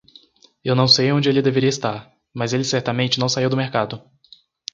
Eu não sei onde ele deveria estar, mas ele certamente não saiu do mercado.